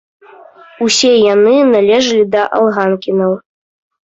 Усе яны належылі да алганкінаў.